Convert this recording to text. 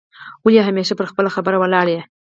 ولي همېشه پر خپله خبره ولاړ یې؟